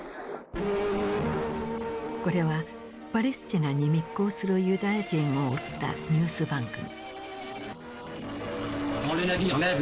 これはパレスチナに密航するユダヤ人を追ったニュース番組。